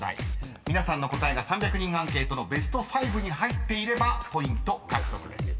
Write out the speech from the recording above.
［皆さんの答えが３００人アンケートのベスト５に入っていればポイント獲得です］